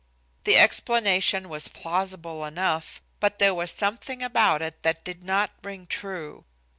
The explanation was plausible enough, but there was something about it that did not ring true.